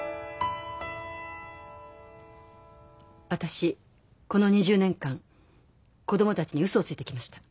私この２０年間子供たちにウソをついてきました。